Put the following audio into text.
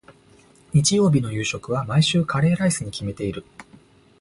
日曜日の夕食は、毎週カレーライスに決めている。